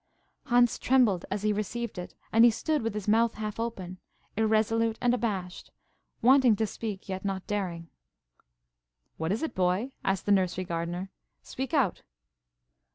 Hans trembled as he received it, and he stood with his mouth half open, irresolute and abashed, wanting to speak, yet not daring. "What is it, boy?" asked the nursery gardener. "Speak out."